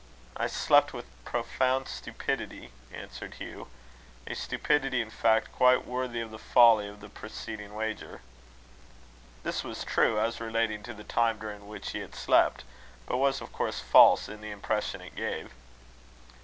"I slept with profound stupidity," answered Hugh; "a stupidity, in fact, quite worthy of the folly of the preceding wager." This was true, as relating to the time during which he had slept, but was, of course, false in the impression it gave.